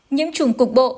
nhiễm chủng cục bộ